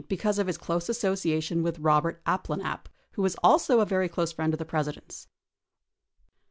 1010 because of his close association with Robert Abplanalp who was also a very close friend of the President's.